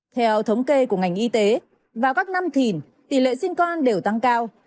theo thống kê của ngành y tế vào các năm thìn tỷ lệ sinh con đều tăng cao